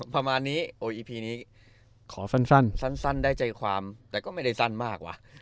ประมาณนี้โอ้อีพีนี้ขอสั้นได้ใจความแต่ก็ไม่ได้สั้นมากวะ